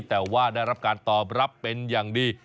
แต่ว่าได้รับการตอบรับเป็นอย่างดี